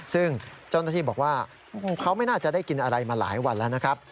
ซึ่งเจ้าหน้าที่บอกว่าเขาไม่น่าจะได้กินอะไรมาหลายวันแล้วนะครับ